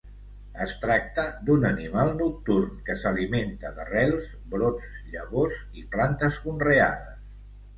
Es tracta d'un animal nocturn que s'alimenta d'arrels, brots, llavors i plantes conreades.